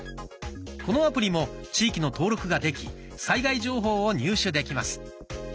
このアプリも地域の登録ができ災害情報を入手できます。